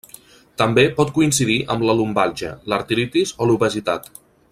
També pot coincidir amb la lumbàlgia, l'artritis i l'obesitat.